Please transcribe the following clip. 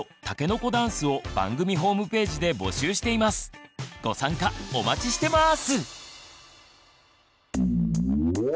番組ではご参加お待ちしてます！